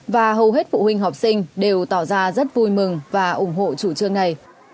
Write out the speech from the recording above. và hầu hết phụ huynh học sinh đều tỏ ra rất vui mừng và ủng hộ chủ trương này